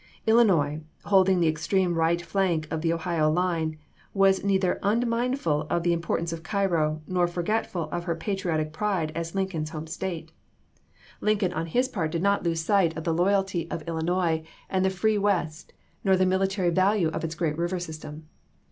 Illinois, holding the extreme right flank of the Ohio line, was neither unmindful of the impor tance of Caii'o, nor forgetful of her patriotic pride as Lincoln's home State. Lincoln on his part did Vol. IV— 13 194 ABRAHAM LINCOLN Chap. X. not losG sight of the loyalty of Illinois and the free West, nor the military value of its great river sys tem.